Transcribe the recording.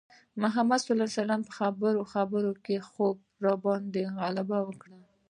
محمدرسول سره په خبرو خبرو کې خوب راباندې غلبه وکړه.